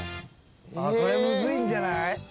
・これむずいんじゃない？